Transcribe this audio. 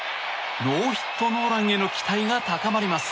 ノーヒットノーランへの期待が高まります。